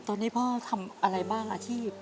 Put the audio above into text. ตอนนี้พ่อทำอะไรบ้างอาชีพ